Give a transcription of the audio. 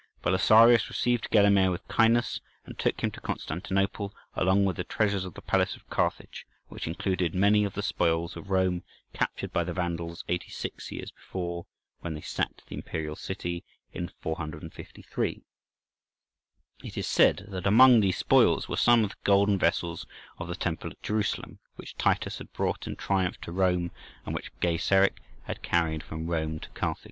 Belisarius received Gelimer with kindness, and took him to Constantinople, along with the treasures of the palace of Carthage, which included many of the spoils of Rome captured by the Vandals eighty six years before, when they sacked the imperial city, in 453. It is said that among these spoils were some of the golden vessels of the Temple at Jerusalem, which Titus had brought in triumph to Rome, and which Gaiseric had carried from Rome to Carthage. Cavalry Scouts. (_From a Byzantine MS.